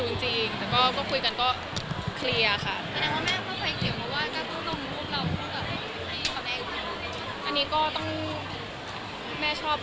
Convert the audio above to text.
มีโอกาสแวะเข้ามาหาเต้นบ้างไหม